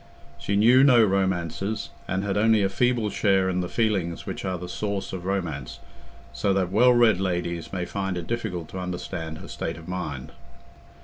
She knew no romances, and had only a feeble share in the feelings which are the source of romance, so that well read ladies may find it difficult to understand her state of mind.